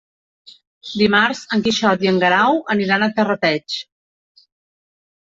Dimarts en Quixot i en Guerau aniran a Terrateig.